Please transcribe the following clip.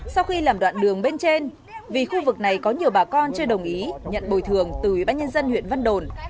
sau khi làm đoạn đường bên trên vì khu vực này có nhiều bà con chưa đồng ý nhận bồi thường từ bác nhân dân huyện văn đồn